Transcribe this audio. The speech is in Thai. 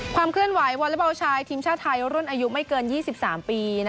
ความเคลื่อนไหววอเล็กบอลชายทีมชาติไทยรุ่นอายุไม่เกิน๒๓ปี